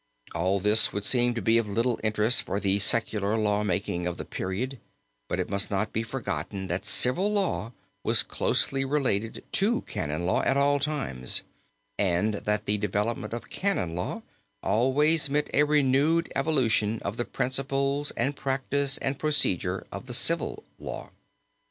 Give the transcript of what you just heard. All this would seem to be of little interest for the secular law making of the period, but it must not be forgotten that civil law was closely related to canon law at all times and that the development of canon law always meant a renewed evolution of the principles, and practise, and procedure of the civil law.